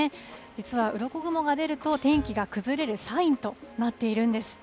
実はうろこ雲が出ると、天気が崩れるサインとなっているんです。